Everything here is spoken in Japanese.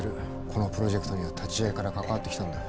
このプロジェクトには立ち上げから関わってきたんだ。